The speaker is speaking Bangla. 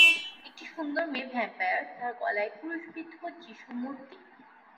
একটি সুন্দর মেয়ে ভ্যাম্পায়ার, তার গলায় ক্রুশবিদ্ধ যীশু মূর্তি।